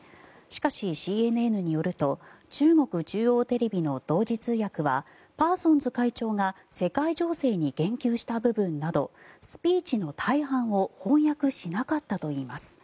しかしＣＮＮによると中国中央テレビの同時通訳はパーソンズ会長が世界情勢に言及した部分などスピーチの大半を翻訳しなかったといいます。